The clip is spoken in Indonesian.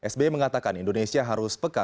sbi mengatakan indonesia harus peka